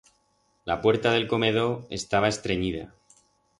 La puerta d'el comedor estaba estrenyida.